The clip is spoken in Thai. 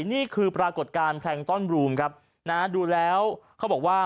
นี่คือปรากฏการณ์แพลงต้อนบรูมครับนะดูแล้วเขาบอกว่า